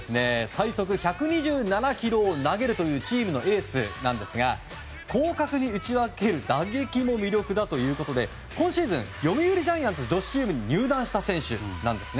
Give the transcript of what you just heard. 最速１２７キロをを投げるというチームのエースですが広角に打ち分ける打撃も魅力だということで今シーズン読売ジャイアンツ女子チームに入団した選手なんです。